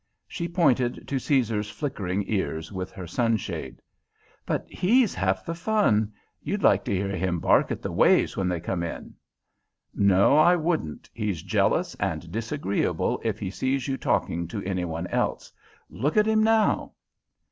She pointed to Caesar's flickering ears with her sunshade. "But he's half the fun. You'd like to hear him bark at the waves when they come in." "No, I wouldn't. He's jealous and disagreeable if he sees you talking to any one else. Look at him now."